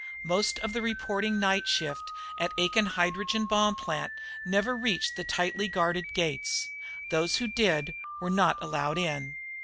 Most of the reporting night shift at the Aiken hydrogen bomb plant never reached the tightly guarded gates. Those who did were not allowed in.